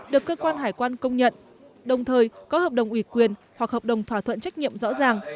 được cơ quan hải quan công nhận đồng thời có hợp đồng ủy quyền hoặc hợp đồng thỏa thuận trách nhiệm rõ ràng